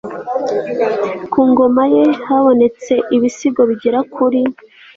ku ngoma ye habonetse ibisigo bigera kuri